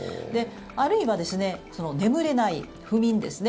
あるいは眠れない、不眠ですね。